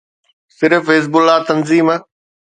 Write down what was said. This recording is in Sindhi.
صرف حزب الله تنظيم.